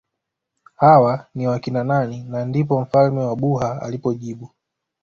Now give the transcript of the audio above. Hawa ni wakina nani na ndipo mfalme wa Buha alipojibu